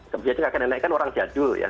sebenarnya kakek nenek kan orang jadul ya